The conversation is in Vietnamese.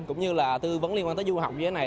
cũng như là tư vấn liên quan tới du học như thế này